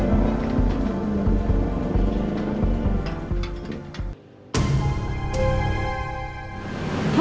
terus apa kabar